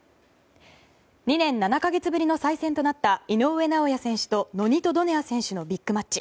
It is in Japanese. ２年７か月ぶりの再戦となった井上尚弥選手とノニト・ドネア選手のビッグマッチ。